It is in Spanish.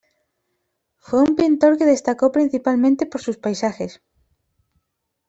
Fue un pintor que destacó principalmente por sus paisajes.